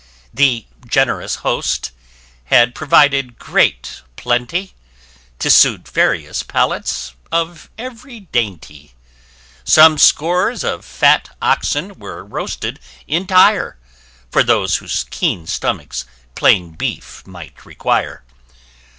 The generous host had provided great plenty, To suit various palates, of every dainty. Some scores of fat oxen were roasted entire, For those whose keen stomachs plain beef might require.